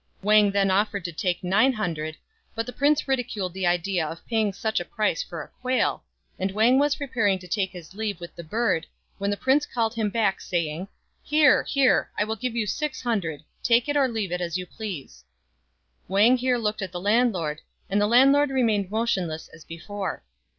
Wang then offered to take nine hundred ; but the prince ridiculed the idea of paying such a price for a quail, and Wang was preparing to take his leave with the bird, when the prince called him back, saying, " Here ! here ! I will give you six hundred. Take it or leave it as you please." Wang here looked at the landlord, and the landlord remained motionless as before.